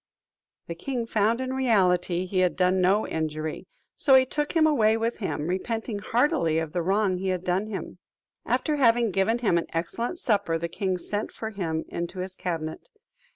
The king found in reality he had done no injury; so, he took him away with him, repenting heartily of the wrong he had done him. After having given him an excellent supper, the king sent for him into his cabinet.